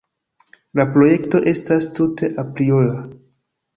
La projekto estas tute apriora.